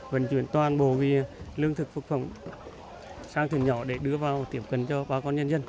vẫn chuyển toàn bộ về lương thực phục phẩm sang thuyền nhỏ để đưa vào tiếp cận cho bà con nhân dân